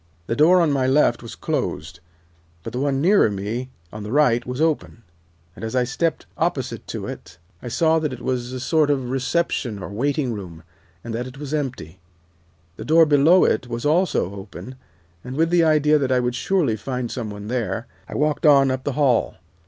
The door on my left was closed, but the one nearer me on the right was open, and as I stepped opposite to it I saw that it was a sort of reception or waiting room, and that it was empty. The door below it was also open, and with the idea that I would surely find some one there, I walked on up the hall.